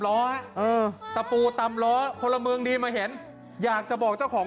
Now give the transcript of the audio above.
ล้อเออตะปูตำล้อพลเมืองดีมาเห็นอยากจะบอกเจ้าของ